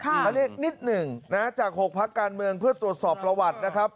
เขาเรียกนิดหนึ่งนะจาก๖พักการเมืองเพื่อตรวจสอบประวัตินะครับ